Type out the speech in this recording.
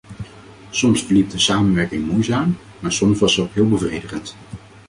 Soms verliep de samenwerking moeizaam, maar soms was ze ook heel bevredigend.